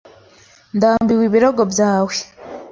Ndambiwe ibirego byawe.